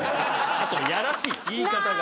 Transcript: あとやらしい言い方が。